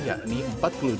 yang terdampak abrasi